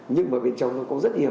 nhưng mà bên trong nó có rất nhiều